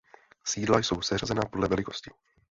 Sídla jsou seřazena podle velikosti.